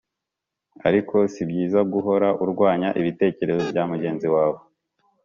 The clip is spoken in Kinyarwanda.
ariko si byiza guhora urwanya ibitekerezo bya mugenzi wawe,